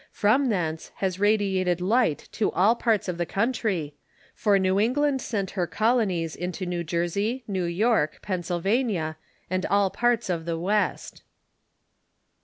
From thence has radi ated light to all parts of the country, for New England sent her colonies into New Jersey, New York, Pennsylvania, and all parts of the West.